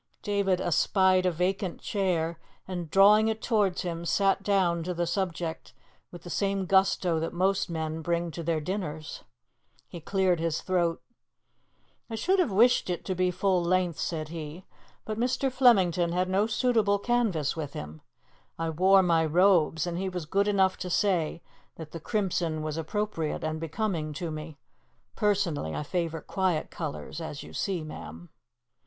David espied a vacant chair, and, drawing it towards him, sat down to the subject with the same gusto that most men bring to their dinners. He cleared his throat. "I should have wished it to be full length," said he, "but Mr. Flemington had no suitable canvas with him. I wore my robes, and he was good enough to say that the crimson was appropriate and becoming to me. Personally, I favour quiet colours, as you see, ma'am."